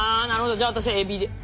じゃあ私はエビで。